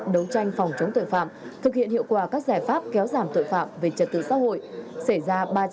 đấu tranh phòng chống tội phạm thực hiện hiệu quả các giải pháp kéo giảm tội phạm về trật tự xã hội